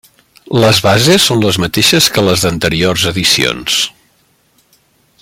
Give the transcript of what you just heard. Les bases són les mateixes que les d'anteriors edicions.